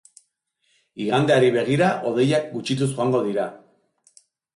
Igandeari begira, hodeiak gutxituz joango dira.